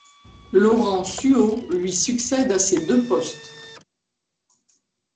Laurent Suau lui succède à ces deux postes.